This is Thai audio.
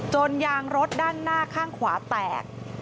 ยางรถด้านหน้าข้างขวาแตก